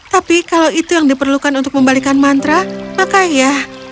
tapi kalau itu yang diperlukan untuk membalikan mantra maka ya